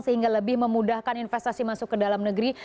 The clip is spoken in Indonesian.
sehingga lebih memudahkan investasi masuk ke dalam negeri